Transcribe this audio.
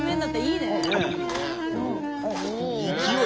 勢い！